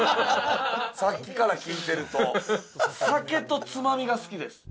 さっきから聞いてると酒とつまみが好きです。